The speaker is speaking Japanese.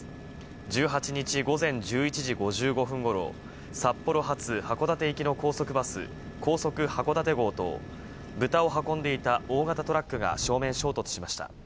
１８日午前１１時５５分ごろ、札幌発函館行きの高速バス、高速はこだて号と、豚を運んでいた大型トラックが正面衝突しました。